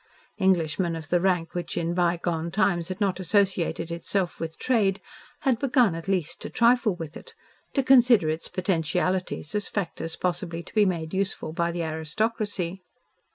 Englishmen of the rank which in bygone times had not associated itself with trade had begun at least to trifle with it to consider its potentialities as factors possibly to be made useful by the aristocracy.